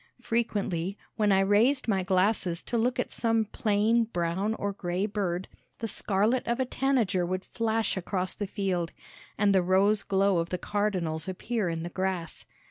Frequently, when I raised my glasses to look at some plain brown or gray bird, the scarlet of a tanager would flash across the field, and the rose glow of the cardinals appear in the grass.